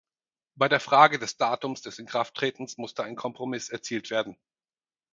Bei der Frage des Datums des Inkrafttretens musste ein Kompromiss erzielt werden.